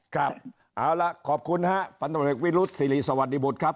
ครับเอาล่ะขอบคุณฮะพันธุรกิจวิรุษศิริสวัสดีบุตรครับ